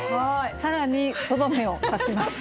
更にとどめを刺します。